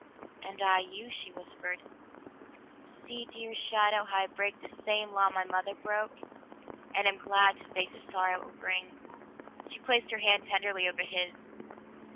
"And I you," she whispered. "See, dearest shadow, how I break the same law my mother broke, and am glad to face the sorrow it will bring." She placed her hand tenderly over his.